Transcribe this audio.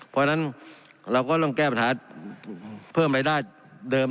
เพราะฉะนั้นเราก็ต้องแก้ปัญหาเพิ่มรายได้เดิม